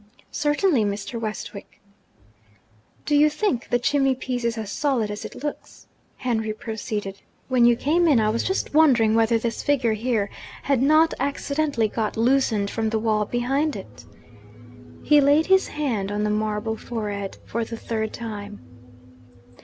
'Certainly, Mr. Westwick!' 'Do you think the chimney piece is as solid as it looks?' Henry proceeded. 'When you came in, I was just wondering whether this figure here had not accidentally got loosened from the wall behind it.' He laid his hand on the marble forehead, for the third time.